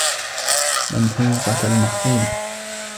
مَمْحُوقَةُ الْمَحْصُولِ